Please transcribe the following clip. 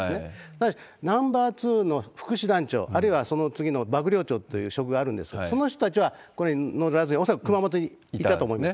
ただし、ナンバー２の副師団長、あるいは、その次の幕僚長という職があるんですが、その人たちはこれ、乗らずに、恐らく熊本にいたと思います。